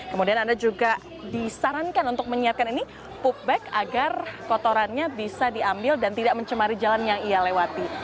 kemudian anda juga disarankan untuk menyiapkan ini pupback agar kotorannya bisa diambil dan tidak mencemari jalan yang ia lewati